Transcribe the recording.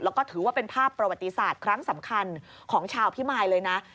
แล้วก็ถือว่าเป็นภาพประวัติศาสตร์ครั้งสำคัญของชาวพิมายเลยนะ